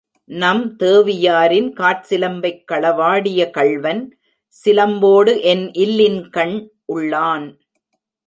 நம் தேவியாரின் காற்சிலம்பைக் களவாடிய கள்வன், சிலம்போடு என் இல்லின்கண் உள்ளான்.